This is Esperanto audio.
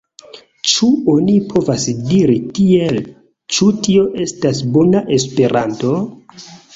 Ĉu oni povas diri tiel, ĉu tio estas bona Esperanto?